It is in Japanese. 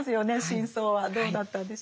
真相はどうだったんでしょうか？